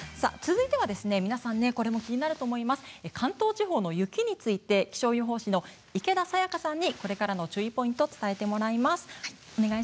続いては皆さん気になると思います、関東地方の雪について気象予報士の池田沙耶香さんにこれからの注意ポイントを伝えてもらいます。